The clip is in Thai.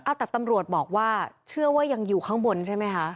เอาแต่ตำรวจบอกว่าเชื่อว่ายังอยู่ข้างบนใช่ไหมคะ